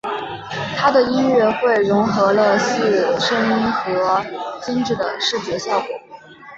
他的音乐会融合了四声音和精致的视觉效果。